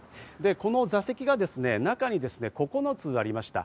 この座席が中に９つありました。